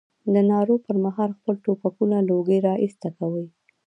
د نارو پر مهال خپل ټوپکونه له اوږې را ایسته کوي.